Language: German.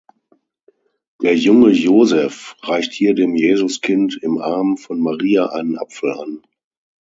Der junge Joseph reicht hier dem Jesuskind im Arm von Maria einen Apfel an.